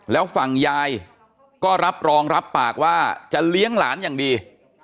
แล้วฝั่งยายก็รับรองรับปากว่าจะเลี้ยงหลานอย่างดี